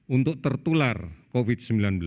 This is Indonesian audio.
untuk tertular covid sembilan belas